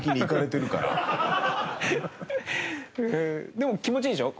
でも気持ちいいでしょ？